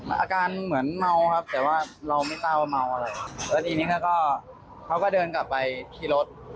อาการเหมือนเมาครับแต่ว่าเราไม่ทราบว่าเมาอะไรแล้วทีนี้เขาก็เขาก็เดินกลับไปที่รถ